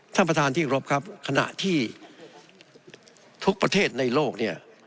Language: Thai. ท่านประธานที่กรบครับขณะที่ทุกประเทศในโลกเนี่ย